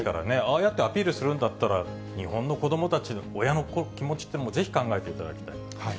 ああやってアピールするんだったら、日本の子どもたち、親の気持ちというのもぜひ考えていただきたい。